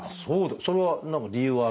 それは何か理由はあるんですか？